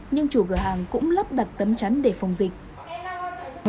nhưng chủ cửa hàng cũng lắp đặt tấm chắn để phòng dịch